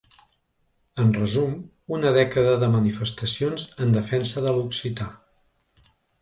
En resum, una dècada de manifestacions en defensa de l’occità.